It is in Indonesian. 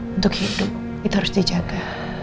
untuk hidup itu harus dijaga